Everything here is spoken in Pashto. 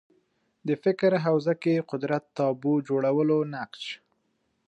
د فکر حوزه کې قدرت تابو جوړولو نقش